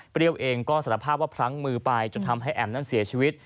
เองก็สารภาพว่าพลั้งมือไปจนทำให้แอมนั้นเสียชีวิต